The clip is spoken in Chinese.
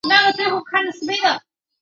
硬体模拟层。